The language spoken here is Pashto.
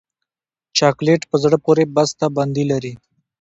چاکلېټ په زړه پورې بسته بندي لري.